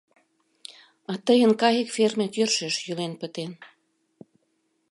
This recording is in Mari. А тыйын кайык фермет йӧршеш йӱлен пытен».